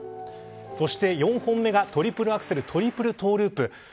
そして４本目がトリプルアクセルトリプルトゥループ。